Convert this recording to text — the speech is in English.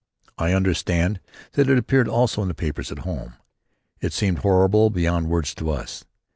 I understand that it appeared also in the papers at home. It seemed horrible beyond words to us.